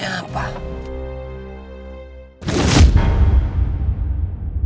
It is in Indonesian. coba beberapa saat